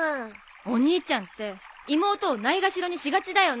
お兄ちゃんって妹をないがしろにしがちだよね。